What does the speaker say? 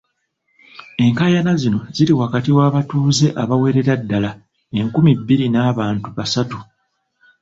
Enkaayana zino ziri wakati w'abatuuze abawerera ddala enkumi bbiri n'abantu basatu